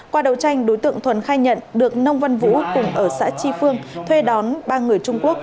qua đầu tranh đối tượng thuần khai nhận được nông văn vũ cùng ở xã tri phương thuê đón ba người trung quốc